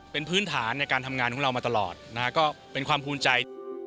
เป็นพื้นฐานในการทำงานของเรามาตลอดนะฮะก็เป็นความภูมิใจ